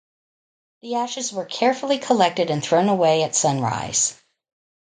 The ashes were carefully collected and thrown away at sunrise.